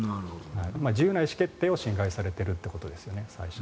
自由な意思決定を侵害されているということですね。